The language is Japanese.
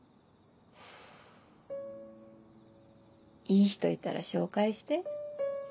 いい人いたら紹介して？